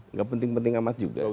nggak penting penting amat juga